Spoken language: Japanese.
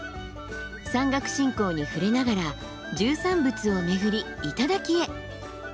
山岳信仰に触れながら十三仏を巡り頂へ。